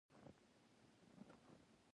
د هوږې غوړي د څه لپاره وکاروم؟